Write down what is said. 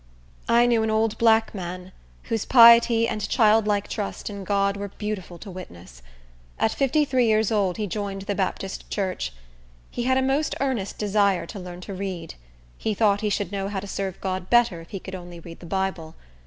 I knew an old black man, whose piety and childlike trust in God were beautiful to witness. At fifty three years old he joined the Baptist church. He had a most earnest desire to learn to read. He thought he should know how to serve God better if he could only read the Bible.